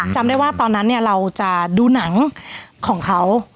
จำได้ว่าตอนนั้นเนี่ยเราจะดูหนังของเขา